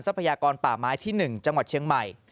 พยากรป่าไม้ที่๑จังหวัดเชียงใหม่